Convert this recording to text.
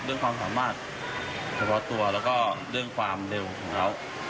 เรื่องความสามารถของตัวแล้วก็เรื่องความเร็วของเขา